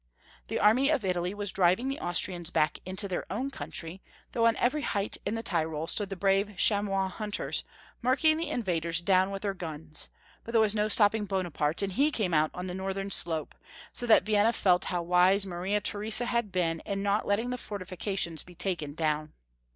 The army of Italy was driving the Austrians back into their own country, though on every height in the Tyrol stood the brave chamois hunters, marking the invaders down with their guns ; but there was no stopping Bonaparte, and he came out on the northern slope, so that Vienna felt how wise Maria Theresa had been in not letting the fortifications be taken down.